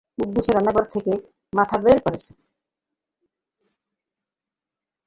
কুদ্দুসও রান্নাঘর থেকে মাথা বের করেছে।